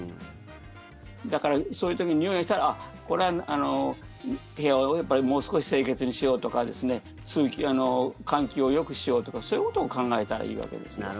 だから、そういう時ににおいがしたらこれ、部屋をやっぱりもう少し清潔にしようとか換気をよくしようとかそういうことを考えたらいいわけです。